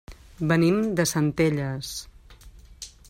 Venim de Centelles.